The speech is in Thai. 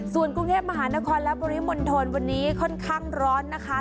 ส่วนกรุงเทพมหานครและปริมณฑลวันนี้ค่อนข้างร้อนนะคะ